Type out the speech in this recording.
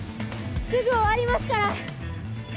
すぐ終わりますから！